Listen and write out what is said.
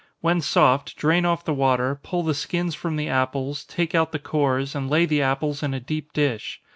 When soft, drain off the water, pull the skins from the apples, take out the cores, and lay the apples in a deep dish.